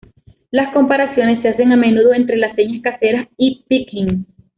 Las comparaciones se hacen a menudo entre las señas caseras y pidgin.